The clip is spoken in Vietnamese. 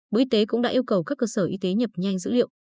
bộ y tế cũng đã yêu cầu các cơ sở y tế nhập nhanh dữ liệu